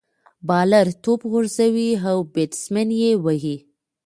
بالر توپ غورځوي، او بيټسمېن ئې وهي.